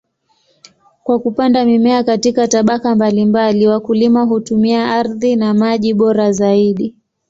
Kwa kupanda mimea katika tabaka mbalimbali, wakulima hutumia ardhi na maji bora zaidi.